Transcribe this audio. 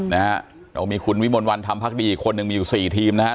แล้วมีคุณวิมวลวัลทำพักดีอีกคนนึงมีอยู่๔ทีมนะครับ